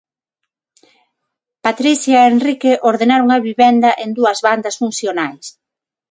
Patricia e Enrique ordenaron a vivenda en dúas bandas funcionais.